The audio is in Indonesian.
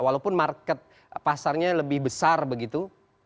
walaupun market pasarnya lebih besar begitu